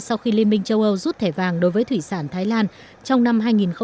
sau khi liên minh châu âu rút thẻ vàng đối với thủy sản thái lan trong năm hai nghìn một mươi bảy